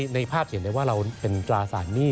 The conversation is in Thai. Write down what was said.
ในภาพจะเห็นได้ว่าเราเป็นตราสารหนี้